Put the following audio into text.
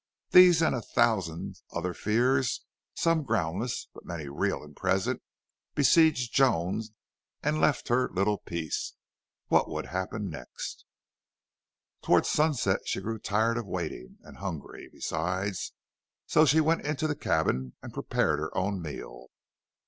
These, and a thousand other fears, some groundless, but many real and present, besieged Joan and left her little peace. What would happen next? Toward sunset she grew tired of waiting, and hungry, besides, so she went into the cabin and prepared her own meal.